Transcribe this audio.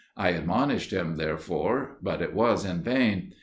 I admonished him, therefore, but it was in vain.